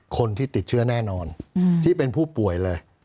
คนที่ติดเชื้อแน่นอนที่เป็นผู้ป่วยเลย